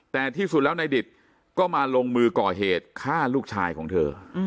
แต่ที่สุดแล้วในดิตก็มาลงมือก่อเหตุฆ่าลูกชายของเธอ